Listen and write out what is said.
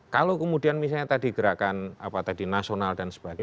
kalau kemudian misalnya tadi gerakan apa tadi nasional dan sebagainya